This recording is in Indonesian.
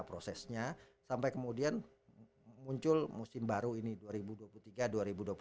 prosesnya sampai kemudian hai munculnya setelah itu kita kalau kemudian kita berhasil menyebabkan